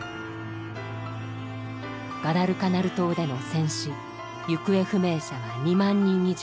ガダルカナル島での戦死・行方不明者は２万人以上。